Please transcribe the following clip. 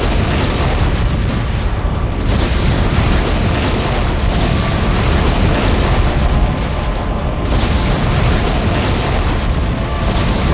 siapa yang bisa mengelengkapi saduk sadukmu